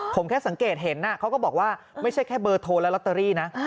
ผมแค่สังเกตเห็นเขาก็บอกว่าไม่ใช่แค่เบอร์โทรและลอตเตอรี่นะ